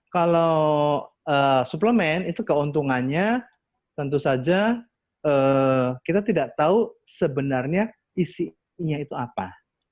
kalau suplemen itu keuntungannya tentu saja kita tidak tahu sebenarnya isinya itu apa